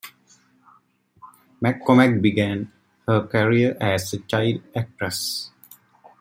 McCormack began her career as a child actress.